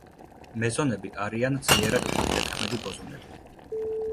მეზონები არიან ძლიერად ურთიერთქმედი ბოზონები.